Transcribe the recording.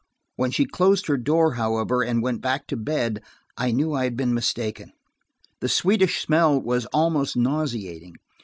When she closed her door, however, and went back to bed, I knew I had been mistaken. The sweetish smell was almost nauseating.